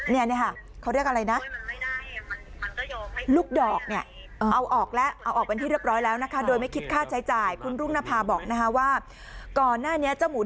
นี่ค่ะเขาเรียกอะไรนะ